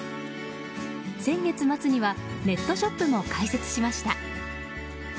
先月末にはネットショップも開設しました。